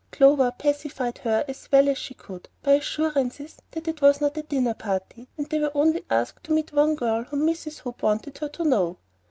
Clover pacified her as well as she could, by assurances that it was not a dinner party, and they were only asked to meet one girl whom Mrs. Hope wanted her to know.